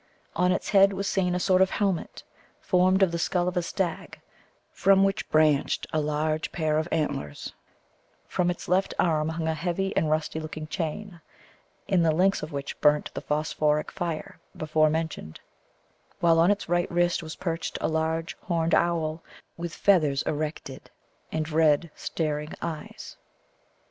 On its head was seen a sort of helmet, formed of the skull of a stag, from which branched a large pair of antlers; from its left arm hung a heavy and rusty looking chain, in the links of which burnt the phosphoric fire before mentioned; while on its right wrist was perched a large horned owl, with feathers erected, and red staring eyes.